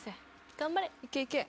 頑張れ。